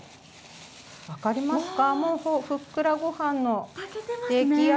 分かりますか。